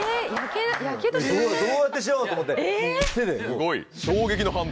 どうやってしようと思ってもう手で。